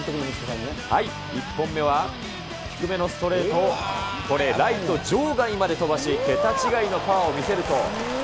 １本目は低めのストレート、これ、ライト場外まで飛ばし、桁違いのパワーを見せると。